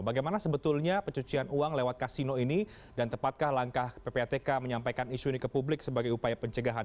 bagaimana sebetulnya pencucian uang lewat kasino ini dan tepatkah langkah ppatk menyampaikan isu ini ke publik sebagai upaya pencegahan